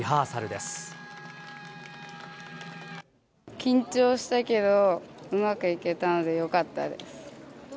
緊張したけど、うまくいけたのでよかったです。